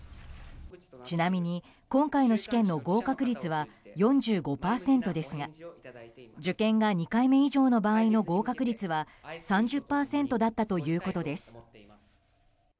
ちなみに、今回の試験の合格率は４５％ですが受験が２回目以上の場合の合格率は３０％だったということです。